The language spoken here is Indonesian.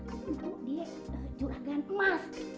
itu dia juragan emas